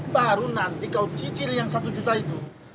baru nanti kau cicil yang satu juta itu